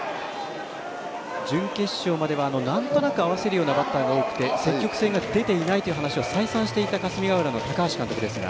準決勝まではなんとなく合わせるようなバッターが多くて積極性が出ていないという話を再三していた、高橋監督ですが。